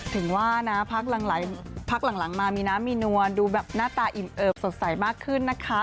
ถึงว่านะพักหลังมามีน้ำมีนวลดูแบบหน้าตาอิ่มเอิบสดใสมากขึ้นนะคะ